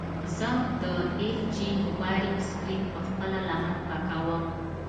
زه د ایل جي موبایل سکرین په خپله لمن پاکوم.